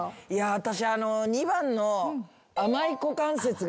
私２番の。